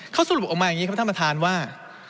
เขาสรุปออกมาอย่างนี้ครับคุณพนักฐานว่า